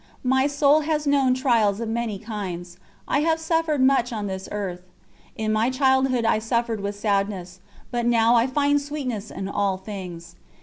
My soul has known trials of many kinds. I have suffered much on this earth. In my childhood I suffered with sadness, but now I find sweetness in all things.